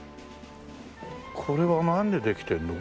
これはなんでできてるの？